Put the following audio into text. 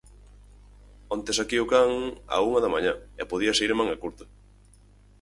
Onte saquei o can á unha da mañá e podíase ir en manga curta.